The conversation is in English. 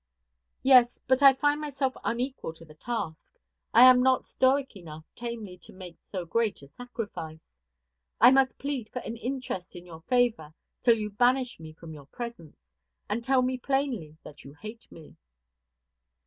"Yes; but I find myself unequal to the task. I am not stoic enough tamely to make so great a sacrifice. I must plead for an interest in your favor till you banish me from your presence, and tell me plainly that you hate me."